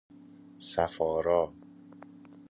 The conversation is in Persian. صف آرا